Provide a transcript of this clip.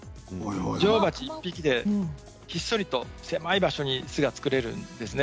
女王バチ１匹でひっそりと狭い場所に巣が作れるんですね。